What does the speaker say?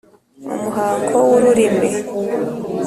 umuhango w'urumuri,